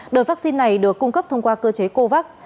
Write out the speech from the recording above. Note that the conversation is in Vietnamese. đợt vaccine này được cung cấp thông qua cơ chế covax